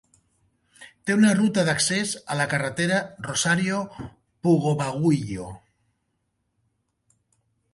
Té una ruta d'accés a la carretera Rosario-Pugo-Baguio.